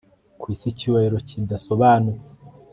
Kwisi icyubahiro kidasobanutse